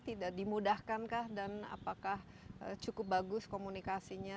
tidak dimudahkankah dan apakah cukup bagus komunikasinya